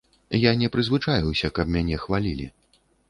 Я не прызвычаіўся, каб мяне хвалілі.